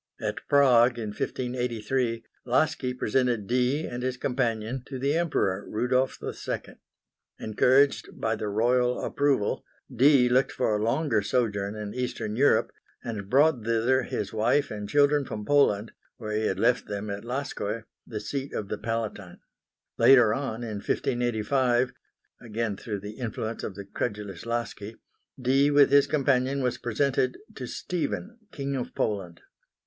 At Prague, in 1583, Laski presented Dee and his companion to the Emperor Rudolph II. Encouraged by the royal approval, Dee looked for a longer sojourn in eastern Europe, and brought thither his wife and children from Poland, where he had left them at Laskoe, the seat of the Palatine. Later on, in 1585, again through the influence of the credulous Laski Dee with his companion was presented to Stephen, King of Poland.